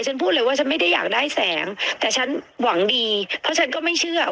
ฉันพูดเลยว่าฉันไม่ได้อยากได้แสงแต่ฉันหวังดีแล้วฉันก็ไม่เชื่อ